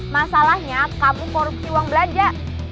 masalahnya kamu korupsi uang belanja